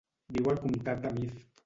Viu al comtat de Meath.